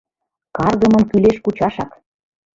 «Каргымым кӱлеш кучашак!